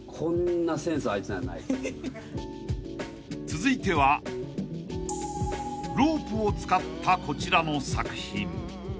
［続いてはロープを使ったこちらの作品］